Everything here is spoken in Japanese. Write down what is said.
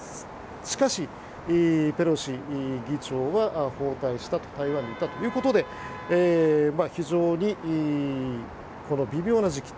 しかし、ペロシ議長は訪台したと台湾に行ったということで非常にこの微妙な時期。